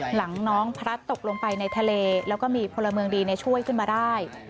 หลังน้องพลัดตกลงไปในทะเลแล้วก็มีพลเมืองดีช่วยขึ้นมาได้